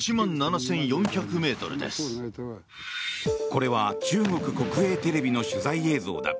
これは中国国営テレビの取材映像だ。